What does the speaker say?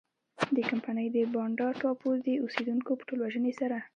د کمپنۍ د بانډا ټاپو د اوسېدونکو په ټولوژنې سره.